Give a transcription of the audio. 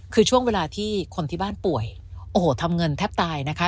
คือช่วงเวลาที่คนที่บ้านป่วยโอ้โหทำเงินแทบตายนะคะ